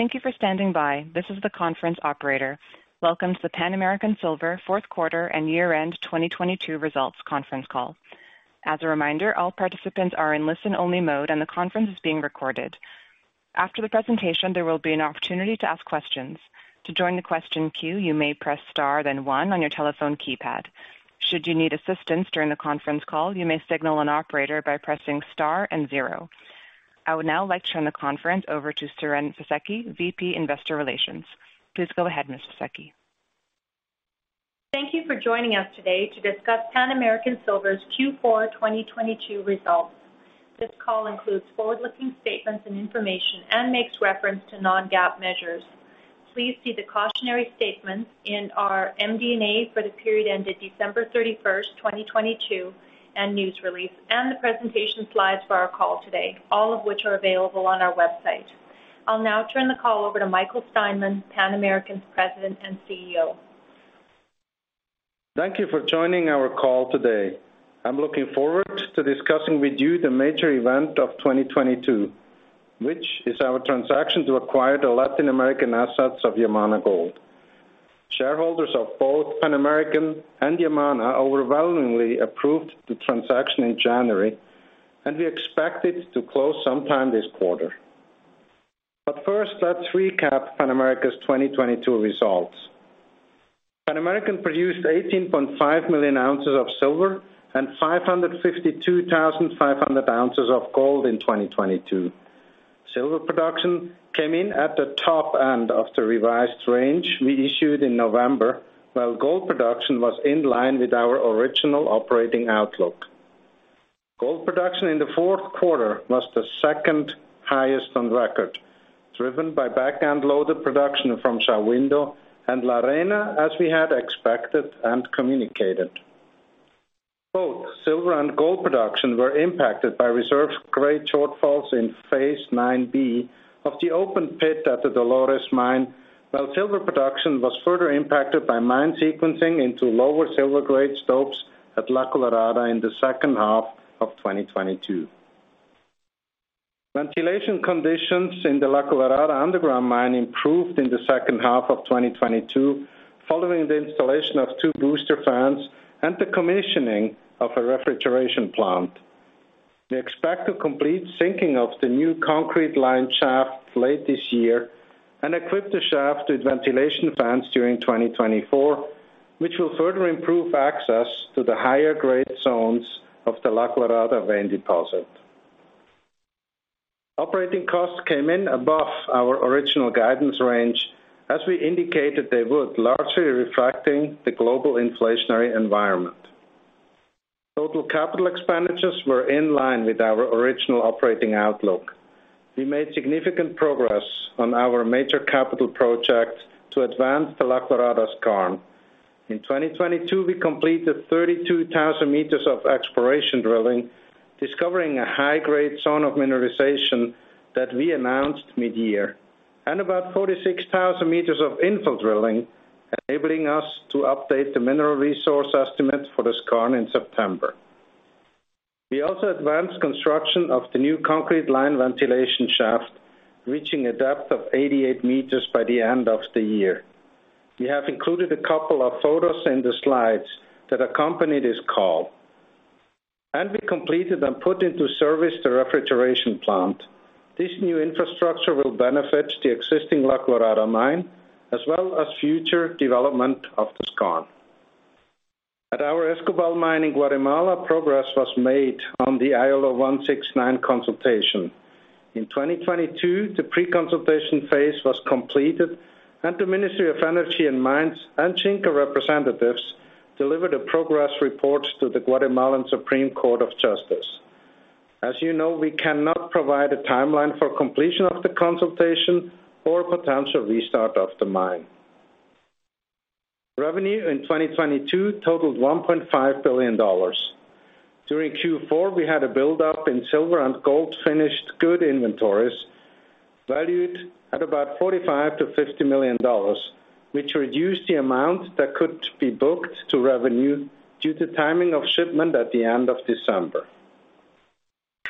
Thank you for standing by. This is the conference operator. Welcome to the Pan American Silver fourth quarter and year-end 2022 results conference call. As a reminder, all participants are in listen-only mode, the conference is being recorded. After the presentation, there will be an opportunity to ask questions. To join the question queue, you may press star then one on your telephone keypad. Should you need assistance during the conference call, you may signal an operator by pressing star and zero. I would now like to turn the conference over to Siren Fisekci, VP Investor Relations. Please go ahead, Ms. Fisekci. Thank you for joining us today to discuss Pan American Silver's Q4 2022 results. This call includes forward-looking statements and information and makes reference to non-GAAP measures. Please see the cautionary statements in our MD&A for the period ended December 31, 2022, and news release and the presentation slides for our call today, all of which are available on our website. I'll now turn the call over to Michael Steinmann, Pan American's President and CEO. Thank you for joining our call today. I'm looking forward to discussing with you the major event of 2022, which is our transaction to acquire the Latin American assets of Yamana Gold. Shareholders of both Pan American and Yamana overwhelmingly approved the transaction in January. We expect it to close sometime this quarter. First, let's recap Pan American's 2022 results. Pan American produced 18.5 million ounces of silver and 552,500 ounces of gold in 2022. Silver production came in at the top end of the revised range we issued in November, while gold production was in line with our original operating outlook. Gold production in the fourth quarter was the second-highest on record, driven by back-end loaded production from Shahuindo and La Arena, as we had expected and communicated. Both silver and gold production were impacted by reserve grade shortfalls in Phase 9B of the open pit at the Dolores mine, while silver production was further impacted by mine sequencing into lower silver grade stopes at La Colorada in the second half of 2022. Ventilation conditions in the La Colorada underground mine improved in the second half of 2022 following the installation of two booster fans and the commissioning of a refrigeration plant. We expect to complete sinking of the new concrete line shaft late this year and equip the shaft with ventilation fans during 2024, which will further improve access to the higher-grade zones of the La Colorada vein deposit. Operating costs came in above our original guidance range as we indicated they would, largely reflecting the global inflationary environment. Total capital expenditures were in line with our original operating outlook. We made significant progress on our major capital project to advance the La Colorada Skarn. In 2022, we completed 32,000 m of exploration drilling, discovering a high-grade zone of mineralization that we announced mid-year, and about 46,000 m of infill drilling, enabling us to update the mineral resource estimate for the Skarn in September. We also advanced construction of the new concrete line ventilation shaft, reaching a depth of 88 m by the end of the year. We have included a couple of photos in the slides that accompany this call. We completed and put into service the refrigeration plant. This new infrastructure will benefit the existing La Colorada mine as well as future development of the Skarn. At our Escobal mine in Guatemala, progress was made on the ILO 169 consultation. In 2022, the pre-consultation phase was completed, and the Ministry of Energy and Mines and Xinca representatives delivered the progress reports to the Guatemalan Supreme Court of Justice. As you know, we cannot provide a timeline for completion of the consultation or potential restart of the mine. Revenue in 2022 totaled $1.5 billion. During Q4, we had a buildup in silver and gold finished good inventories valued at about $45 million-$50 million, which reduced the amount that could be booked to revenue due to timing of shipment at the end of December.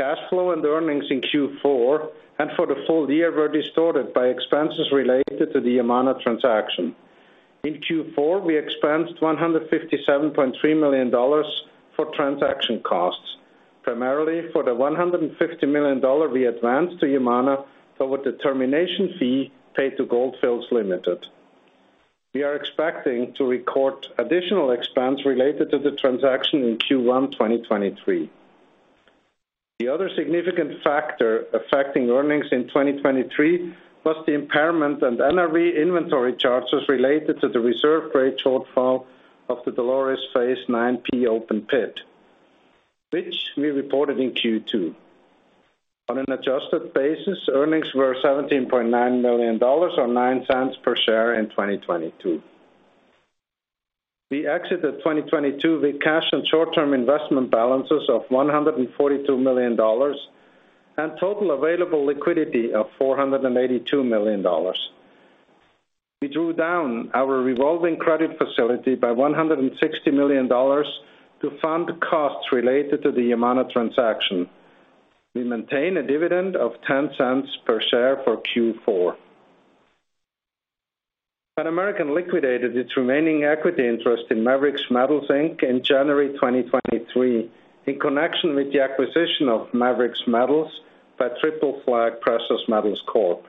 Cash flow and earnings in Q4 and for the full year were distorted by expenses related to the amount of transaction. In Q4, we expensed $157.3 million for transaction costs, primarily for the $150 million we advanced to Yamana for the termination fee paid to Gold Fields Limited. We are expecting to record additional expense related to the transaction in Q1 2023. The other significant factor affecting earnings in 2023 was the impairment and NRV inventory charges related to the reserve grade shortfall of the Dolores Phase 9B open pit, which we reported in Q2. On an adjusted basis, earnings were $17.9 million or $0.09 per share in 2022. We exited 2022 with cash and short-term investment balances of $142 million and total available liquidity of $482 million. We drew down our revolving credit facility by $160 million to fund costs related to the Yamana transaction. We maintain a dividend of $0.10 per share for Q4. Pan American liquidated its remaining equity interest in Maverix Metals Inc. in January 2023 in connection with the acquisition of Maverix Metals by Triple Flag Precious Metals Corp,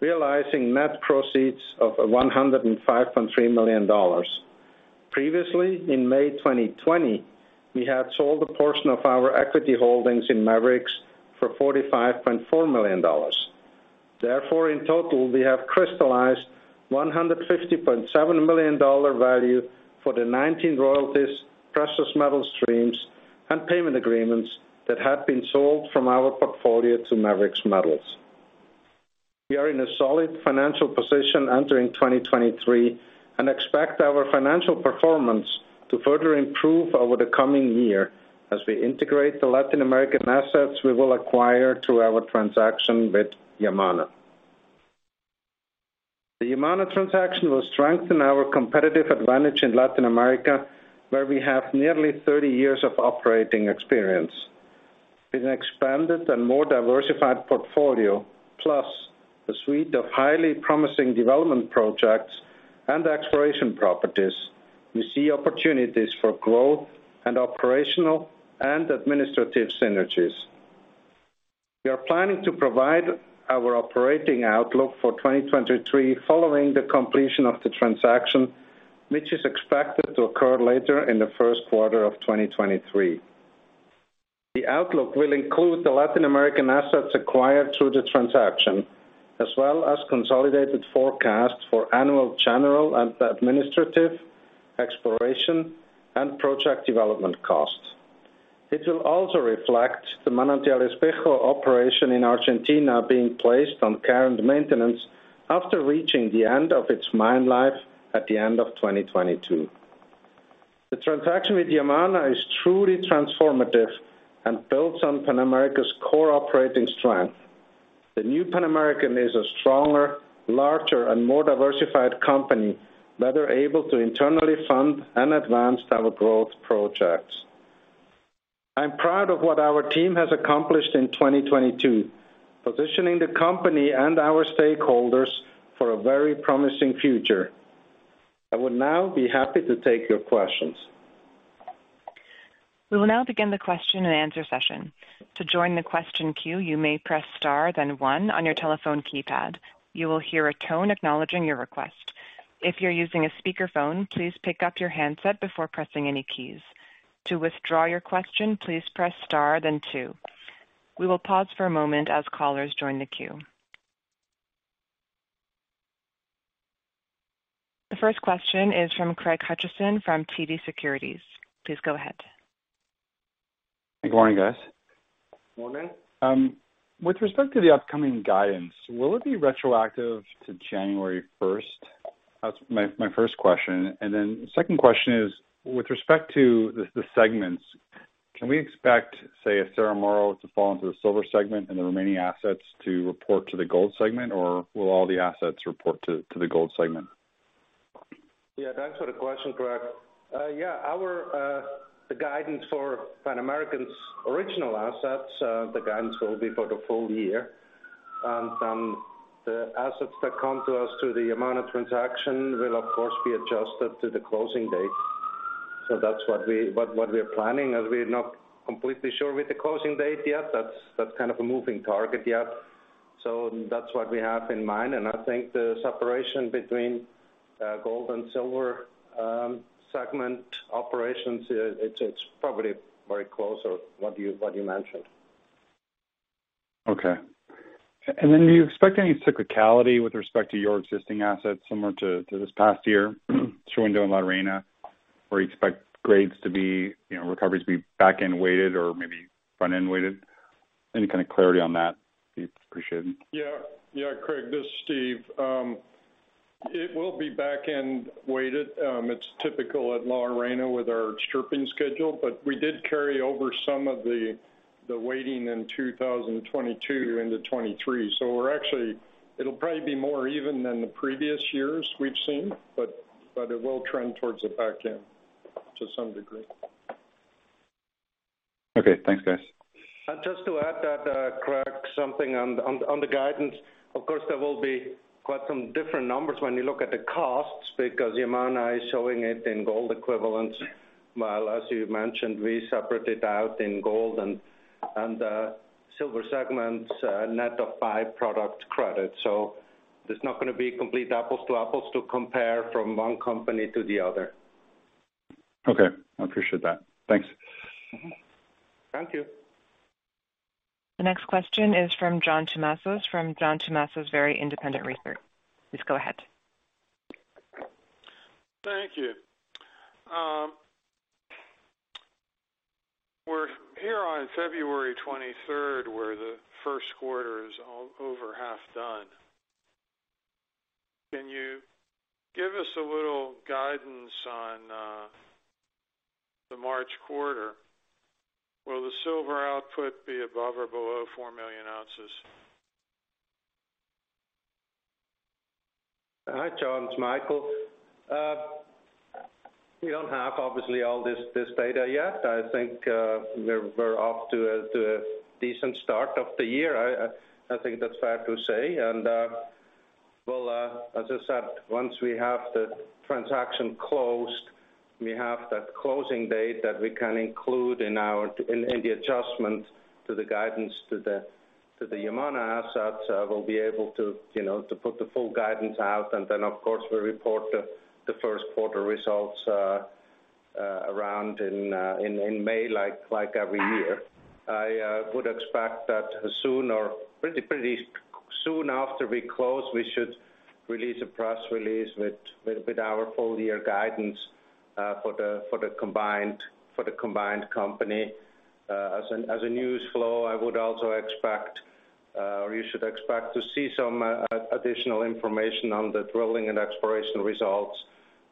realizing net proceeds of $105.3 million. Previously, in May 2020, we had sold a portion of our equity holdings in Maverix for $45.4 million. Therefore, in total, we have crystallized $150.7 million value for the 19 royalties, precious metal streams and payment agreements that had been sold from our portfolio to Maverix Metals. We are in a solid financial position entering 2023 and expect our financial performance to further improve over the coming year as we integrate the Latin American assets we will acquire through our transaction with Yamana. The Yamana transaction will strengthen our competitive advantage in Latin America, where we have nearly 30 years of operating experience. With an expanded and more diversified portfolio, plus a suite of highly promising development projects and exploration properties, we see opportunities for growth and operational and administrative synergies. We are planning to provide our operating outlook for 2023 following the completion of the transaction, which is expected to occur later in the first quarter of 2023. The outlook will include the Latin American assets acquired through the transaction, as well as consolidated forecasts for annual general and administrative, exploration, and project development costs. It will also reflect the Manantial Espejo operation in Argentina being placed on care and maintenance after reaching the end of its mine life at the end of 2022. The transaction with Yamana is truly transformative and builds on Pan American's core operating strength. The New Pan American is a stronger, larger, and more diversified company better able to internally fund and advance our growth projects. I'm proud of what our team has accomplished in 2022, positioning the company and our stakeholders for a very promising future. I would now be happy to take your questions. We will now begin the question-and-answer session. To join the question queue, you may press star, then one on your telephone keypad. You will hear a tone acknowledging your request. If you're using a speakerphone, please pick up your handset before pressing any keys. To withdraw your question, please press star then two. We will pause for a moment as callers join the queue. The first question is from Craig Hutchison from TD Securities. Please go ahead. Good morning, guys. Morning. With respect to the upcoming guidance, will it be retroactive to January 1st? That's my first question. Second question is, with respect to the segments, can we expect, say, Cerro Moro to fall into the silver segment and the remaining assets to report to the gold segment? Will all the assets report to the gold segment? To answer the question, Craig. yeah our the guidance for Pan American's original assets, the guidance will be for the full year. The assets that come to us through the Yamana transaction will of course be adjusted to the closing date. That's what we are planning, as we're not completely sure with the closing date yet. That's kind of a moving target yet. That's what we have in mind. I think the separation between gold and silver segment operations, it's probably very close to what you mentioned. Okay. Then do you expect any cyclicality with respect to your existing assets similar to this past year, Shahuindo and La Arena? Or you expect grades to be, you know, recoveries to be back-end weighted or maybe front-end weighted? Any kind of clarity on that, be appreciated. Yeah, Craig, this is Steve. It will be back-end weighted. It's typical at La Arena with our stripping schedule. We did carry over some of the weighting in 2022 into 2023. We're actually It'll probably be more even than the previous years we've seen, but it will trend towards the back end to some degree. Okay. Thanks, guys. Just to add that, Craig, something on the guidance, of course, there will be quite some different numbers when you look at the costs because Yamana is showing it in gold equivalents. While as you mentioned, we separate it out in gold and silver segments, net of by-product credits. So there's not gonna be complete apples to apples to compare from one company to the other. Okay. I appreciate that. Thanks. Mm-hmm. Thank you. The next question is from John Tumazos from John Tumazos Very Independent Research. Please go ahead. Thank you. We're here on February 23rd, where the first quarter is over half done. Can you give us a little guidance on the March quarter, will the silver output be above or below 4 million ounces? Hi, John, it's Michael. We don't have obviously all this data yet. I think we're off to a decent start of the year. I think that's fair to say. We'll, as I said, once we have the transaction closed, we have that closing date that we can include in our in the adjustment to the guidance to the Yamana assets, we'll be able to, you know, to put the full guidance out. Of course, we report the first quarter results, around in May like every year. I would expect that soon or pretty soon after we close, we should release a press release with our full year guidance, for the combined company. As a news flow, I would also expect, or you should expect to see some additional information on the drilling and exploration results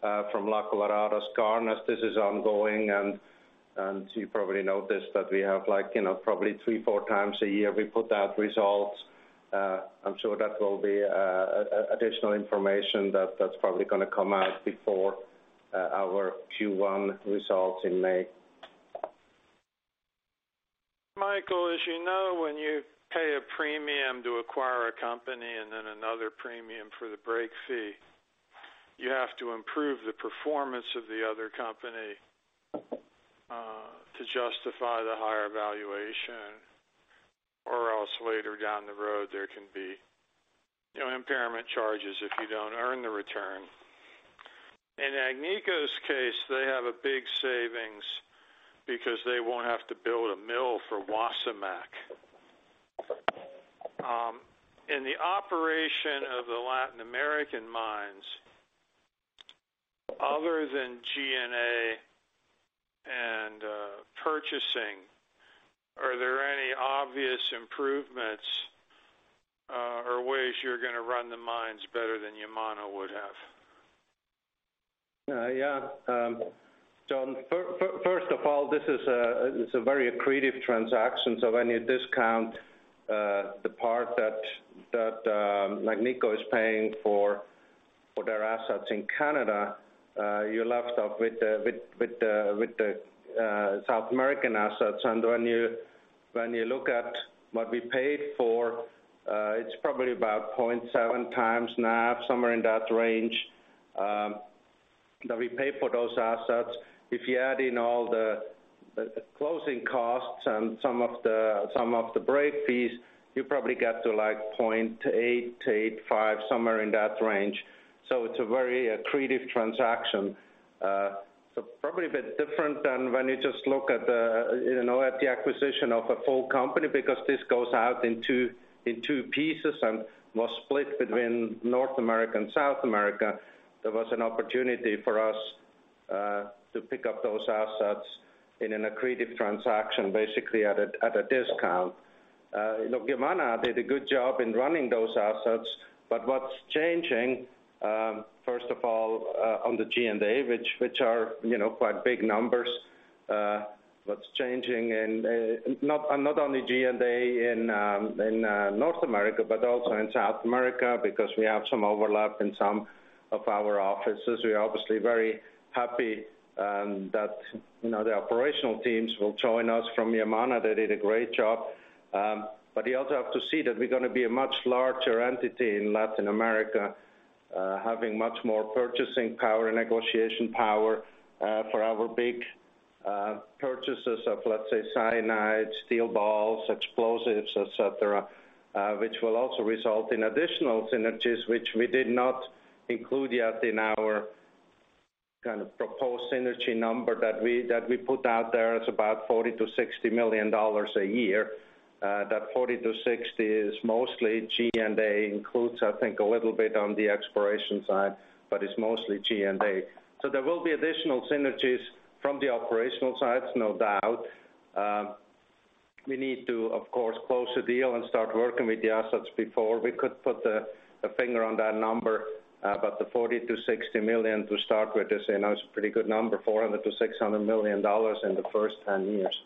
from La Colorada's Skarn. This is ongoing and you probably noticed that we have like, you know, probably 3x, 4x a year we put out results. I'm sure that will be additional information that's probably gonna come out before our Q1 results in May. Michael, as you know, when you pay a premium to acquire a company and then another premium for the break fee, you have to improve the performance of the other company, to justify the higher valuation. Else later down the road, there can be, you know, impairment charges if you don't earn the return. In Agnico's case, they have a big savings because they won't have to build a mill for Wasamac. In the operation of the Latin American mines, other than G&A and purchasing, are there any obvious improvements, or ways you're gonna run the mines better than Yamana would have? Yeah. John, first of all, it's a very accretive transaction. When you discount the part that Agnico is paying for their assets in Canada, you're left up with the South American assets. When you look at what we paid for, it's probably about 0.7x NAV, somewhere in that range, that we paid for those assets. If you add in all the closing costs and some of the break fees, you probably get to, like, 0.8x-0.85x, somewhere in that range. It's a very accretive transaction. Probably a bit different than when you just look at the, you know, acquisition of a full company because this goes out in two pieces and was split between North America and South America. There was an opportunity for us to pick up those assets in an accretive transaction, basically at a discount. Look, Yamana did a good job in running those assets, what's changing, first of all, on the G&A, which are, you know, quite big numbers. What's changing and not only G&A in North America, also in South America, because we have some overlap in some of our offices. We are obviously very happy that, you know, the operational teams will join us from Yamana. They did a great job. You also have to see that we're gonna be a much larger entity in Latin America, having much more purchasing power and negotiation power, for our big purchases of, let's say, cyanide, steel balls, explosives, et cetera, which will also result in additional synergies which we did not include yet in our kind of proposed synergy number that we put out there. It's about $40 million-$60 million a year. That $40 million-$60 million is mostly G&A, includes I think a little bit on the exploration side, but it's mostly G&A. There will be additional synergies from the operational sides, no doubt. We need to, of course, close the deal and start working with the assets before we could put a finger on that number. The $40 million-$60 million to start with is, you know, is a pretty good number, $400 million-$600 million in the first 10 years.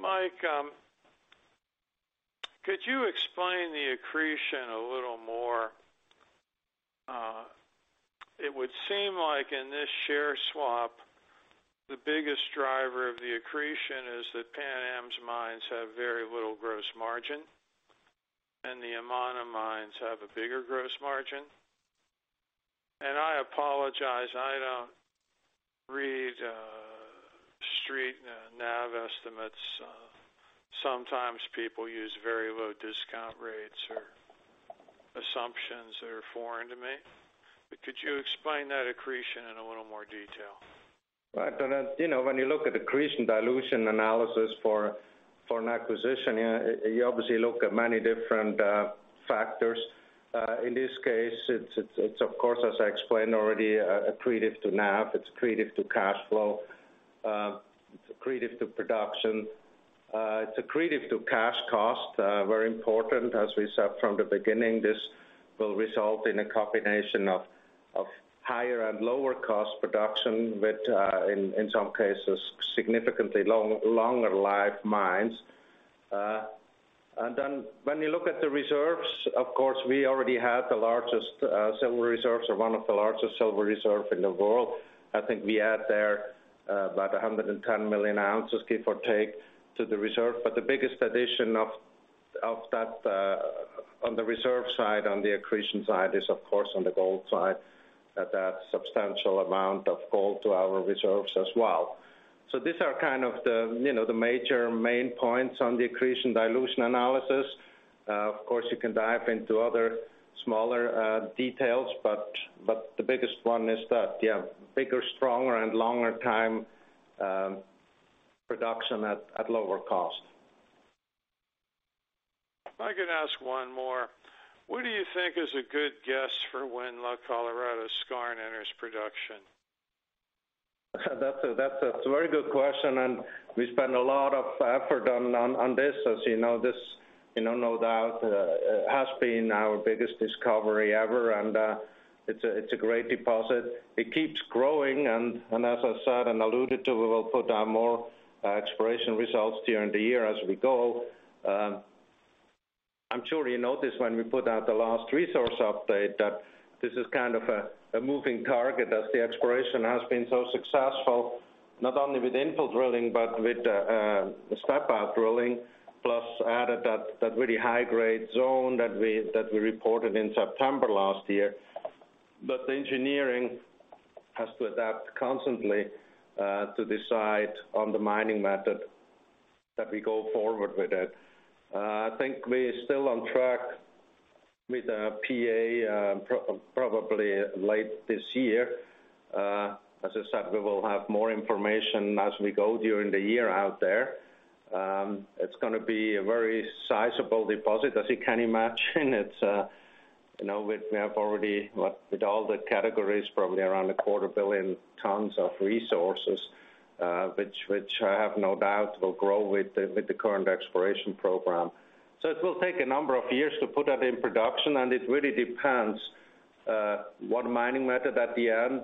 Mike, could you explain the accretion a little more? It would seem like in this share swap, the biggest driver of the accretion is that Pan Am's mines have very little gross margin, and the amount of mines have a bigger gross margin. I apologize, I don't read, Street and NAV estimates. Sometimes people use very low discount rates or assumptions that are foreign to me. Could you explain that accretion in a little more detail? Right. You know, when you look at accretion/dilution analysis for an acquisition, you obviously look at many different factors. In this case, it's, it's of course, as I explained already, accretive to NAV, it's accretive to cash flow. Accretive to production. It's accretive to cash cost. Very important, as we said from the beginning, this will result in a combination of higher and lower cost production, but, in some cases, significantly longer life mines. When you look at the reserves, of course, we already have the largest silver reserves or one of the largest silver reserve in the world. I think we add there, about 110 million ounces, give or take to the reserve. The biggest addition of that, on the reserve side, on the accretion side, is of course on the gold side, at that substantial amount of gold to our reserves as well. These are kind of the, you know, the major main points on the accretion/dilution analysis. Of course, you can dive into other smaller details, but the biggest one is that, yeah, bigger, stronger and longer time production at lower cost. If I could ask one more. What do you think is a good guess for when La Colorada Skarn enters production? That's a very good question. We spend a lot of effort on this. As you know, this, you know, no doubt, has been our biggest discovery ever, and, it's a great deposit. It keeps growing, and as I said and alluded to, we will put out more exploration results during the year as we go. I'm sure you noticed when we put out the last resource update that this is kind of a moving target as the exploration has been so successful, not only with infill drilling but with the step-out drilling. Plus, added that really high-grade zone that we reported in September last year. The engineering has to adapt constantly, to decide on the mining method that we go forward with it. I think we're still on track with the PA, probably late this year. As I said, we will have more information as we go during the year out there. It's gonna be a very sizable deposit, as you can imagine. It's, you know, we have already, with all the categories, probably around 250 million tons of resources, which I have no doubt will grow with the current exploration program. It will take a number of years to put that in production, and it really depends what mining method at the end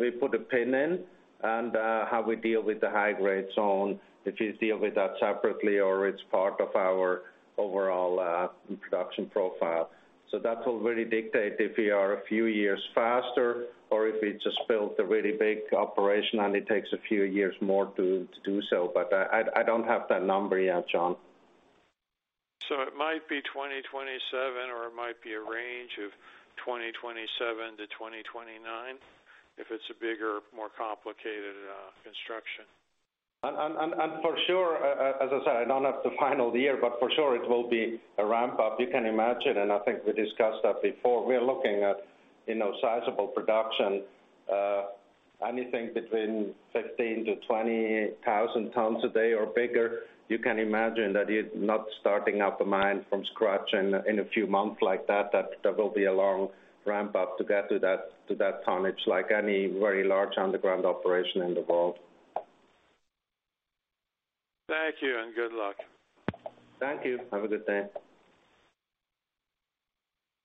we put a pin in and how we deal with the high-grade zone. If we deal with that separately or it's part of our overall production profile. That will really dictate if we are a few years faster or if we just built a really big operation and it takes a few years more to do so. I don't have that number yet, John. It might be 2027 or it might be a range of 2027-2029 if it's a bigger, more complicated, construction. For sure, as I said, I don't have the final year, but for sure it will be a ramp up. You can imagine, and I think we discussed that before. We are looking at, you know, sizable production, anything between 15,000 tons-20,000 tons a day or bigger. You can imagine that it's not starting up a mine from scratch in a few months like that, there will be a long ramp up to get to that tonnage like any very large underground operation in the world. Thank you and good luck. Thank you. Have a good day.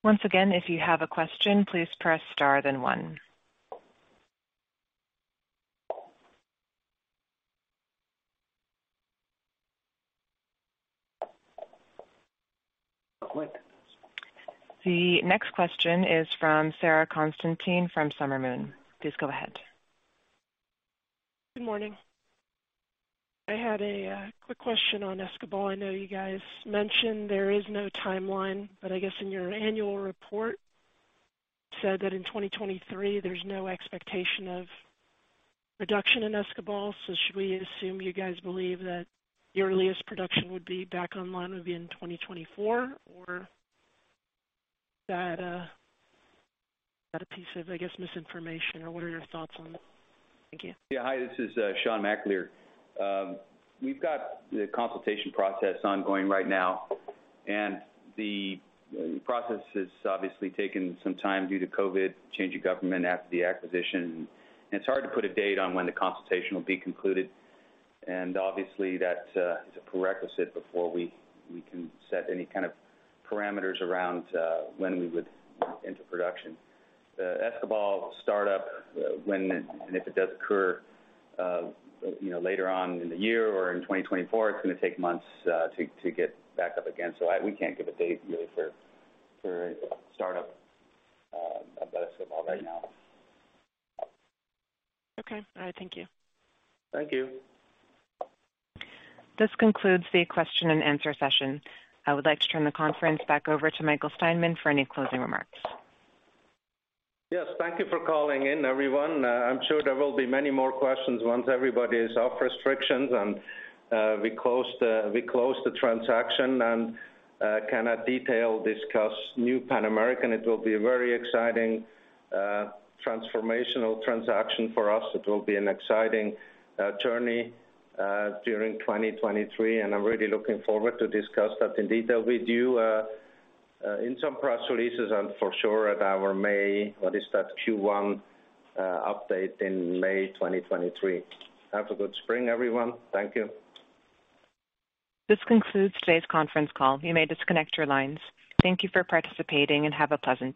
Once again, if you have a question, please press star then one. The next question is from Sara Konstantine from Summer Moon. Please go ahead. Good morning. I had a quick question on Escobal. I know you guys mentioned there is no timeline, but I guess in your annual report said that in 2023 there's no expectation of reduction in Escobal. Should we assume you guys believe that your earliest production would be back online would be in 2024? Is that a piece of, I guess, misinformation or what are your thoughts on that? Thank you. Yeah. Hi, this is Sean McAleer. We've got the consultation process ongoing right now and the process has obviously taken some time due to COVID, change of government after the acquisition. It's hard to put a date on when the consultation will be concluded. Obviously that's is a prerequisite before we can set any kind of parameters around when we would enter production. The Escobal startup when and if it does occur, you know, later on in the year or in 2024, it's gonna take months to get back up again. We can't give a date really for startup about Escobal right now. Okay. All right, thank you. Thank you. This concludes the question-and-answer session. I would like to turn the conference back over to Michael Steinmann for any closing remarks. Yes, thank you for calling in everyone. I'm sure there will be many more questions once everybody is off restrictions and we close the transaction and can at detail discuss New Pan American. It will be a very exciting transformational transaction for us. It will be an exciting journey during 2023, and I'm really looking forward to discuss that in detail with you in some press releases and for sure at our May, what is that? Q1, update in May 2023. Have a good spring, everyone. Thank you. This concludes today's conference call. You may disconnect your lines. Thank you for participating and have a pleasant day.